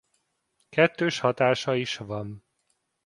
Kettős hatása is van.